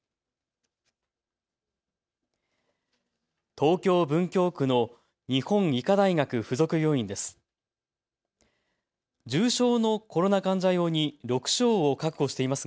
東京文京区の日本医科大学付属病院です。